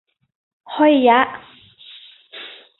ฮ้อยยะ